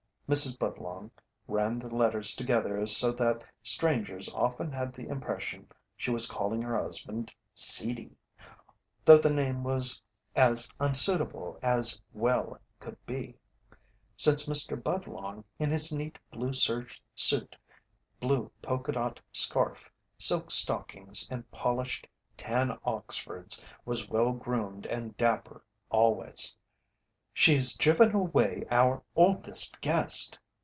Mrs. Budlong ran the letters together so that strangers often had the impression she was calling her husband "Seedy," though the name was as unsuitable as well could be, since Mr. Budlong in his neat blue serge suit, blue polka dot scarf, silk stockings, and polished tan oxfords was well groomed and dapper always. "She's driven away our oldest guest."